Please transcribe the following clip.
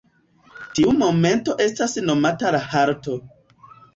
Tiu momento estas nomata la halto.